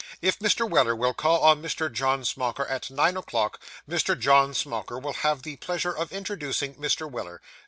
If Mr. Weller will call on Mr. John Smauker at nine o'clock, Mr. John Smauker will have the pleasure of introducing Mr. Weller.